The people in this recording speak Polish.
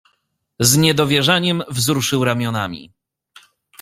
"Z niedowierzaniem wzruszył ramionami."